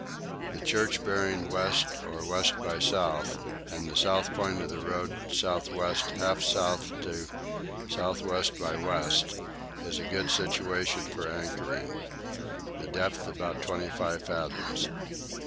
The church bearing west or west by south and the south point of the road south west half south to south west by west is a good situation for anchoring: the depth about twenty five fathoms.